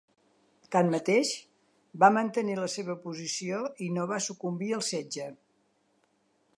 Tanmateix, van mantenir la seva posició i no van sucumbir al setge.